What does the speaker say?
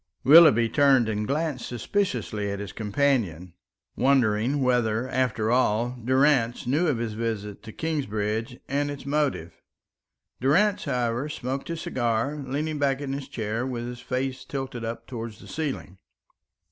Willoughby turned and glanced suspiciously at his companion, wondering whether, after all, Durrance knew of his visit to Kingsbridge and its motive. Durrance, however, smoked his cigar, leaning back in his chair with his face tilted up towards the ceiling.